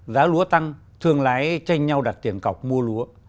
giá lúa tăng thương lái tranh nhau đặt tiền cọc mua lúa